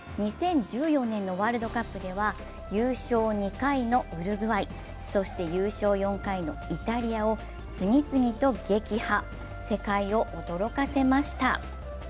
２０１４年のワールドカップでは優勝２回のウルグアイ、そして優勝４回のイタリアを次々と撃破、世界を驚かせました。